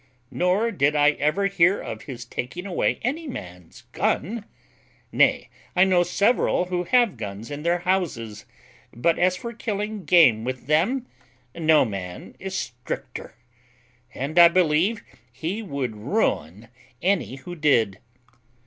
Nor did I ever hear of his taking away any man's gun; nay, I know several who have guns in their houses; but as for killing game with them, no man is stricter; and I believe he would ruin any who did.